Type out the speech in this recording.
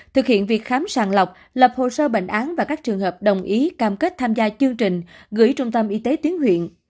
thực hiện việc khám sàng lọc lập hồ sơ bệnh án và các trường hợp đồng ý cam kết tham gia chương trình gửi trung tâm y tế tuyến huyện